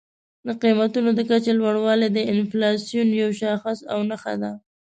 د قیمتونو د کچې لوړوالی د انفلاسیون یو شاخص او نښه ده.